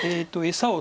餌を。